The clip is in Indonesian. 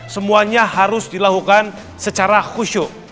semuanya harus dilakukan secara khusyuk